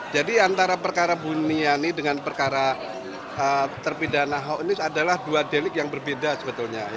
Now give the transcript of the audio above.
jadi antara perkara buniyani dengan perkara terpindahan ahok ini adalah dua delik yang berbeda sebetulnya